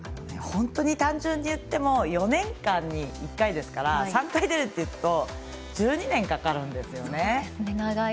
本当に単純に言っても４年間に１回ですから３回出るというと１２年かかるんですよね。